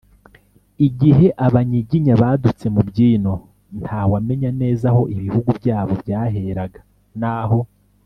igihe abanyiginya badutse mu by’ino. nta wamenya neza aho ibihugu byabo byaheraga n’aho